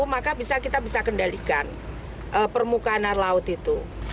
maka kita bisa kendalikan permukaan air laut itu